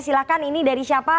silahkan ini dari syarikat